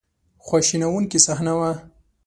خواشینونکې صحنه وه.